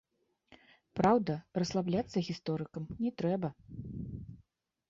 Праўда, расслабляцца гісторыкам не трэба.